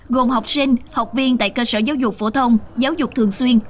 gồm học sinh học viên tại cơ sở giáo dục phổ thông giáo dục thường xuyên